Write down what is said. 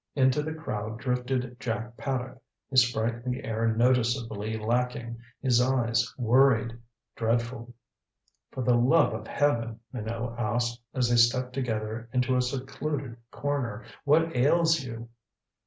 Into the crowd drifted Jack Paddock, his sprightly air noticeably lacking, his eyes worried, dreadful. "For the love of heaven," Minot asked, as they stepped together into a secluded corner, "what ails you?"